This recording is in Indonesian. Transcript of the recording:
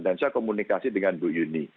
dan saya komunikasi dengan bu yuni